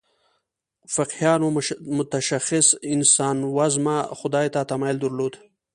فقیهانو متشخص انسانوزمه خدای ته تمایل درلود.